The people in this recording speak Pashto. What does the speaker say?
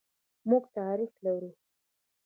موږ تاریخ لرو.